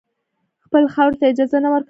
خپلې خاورې ته اجازه نه ورکوله.